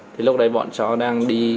thì lúc đấy bọn chó đang đi